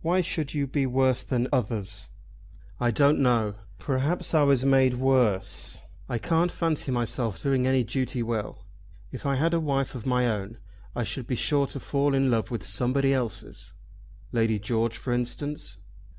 "Why should you be worse than others?" "I don't know. Perhaps I was made worse. I can't fancy myself doing any duty well. If I had a wife of my own I should be sure to fall in love with somebody else's." "Lady George for instance."